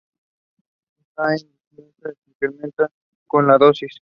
Estas incidencias se incrementan con las dosis.